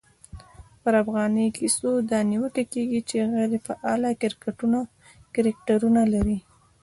پرا فغانۍ کیسو دا نیوکه کېږي، چي غیري فعاله کرکټرونه لري.